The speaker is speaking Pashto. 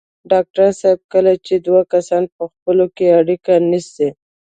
ډاکټر صاحب کله چې دوه کسان په خپلو کې اړيکې نیسي.